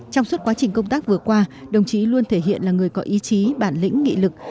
trong suốt quá trình công tác vừa qua đồng chí luôn thể hiện là người có ý chí bản lĩnh nghị lực